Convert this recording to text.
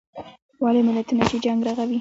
واړه ملتونه چې جنګ رغوي.